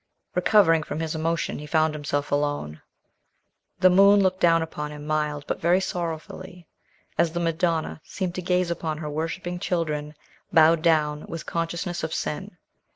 Recovering from his emotion, he found himself alone. The moon looked down upon him mild, but very sorrowfully; as the Madonna seems to gaze upon her worshipping children, bowed down with consciousness of sin.